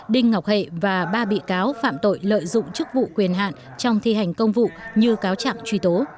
đinh ngọc hệ và ba bị cáo phạm tội lợi dụng chức vụ quyền hạn trong thi hành công vụ như cáo trạng truy tố